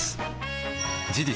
事実